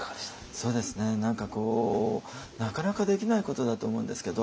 そうですね何かこうなかなかできないことだと思うんですけど